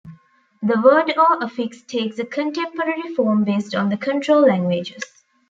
The word or affix takes a contemporary form based on the control languages.